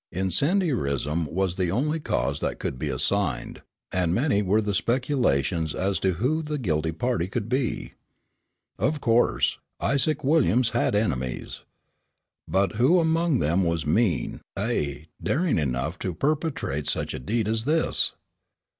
Incendiarism was the only cause that could be assigned, and many were the speculations as to who the guilty party could be. Of course, Isaac Williams had enemies. But who among them was mean, ay, daring enough to perpetrate such a deed as this?